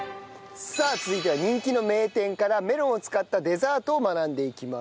さあ続いては人気の名店からメロンを使ったデザートを学んでいきましょう。